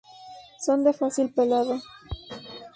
Son de fácil pelado.